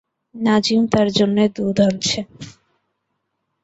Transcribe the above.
নাজিম তার জন্যে দুধ আনছে।